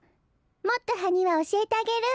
もっとハニワおしえてあげる。